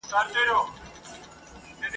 په کمال وه جوړه سوې ډېره کلکه ..